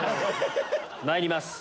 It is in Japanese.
まいります。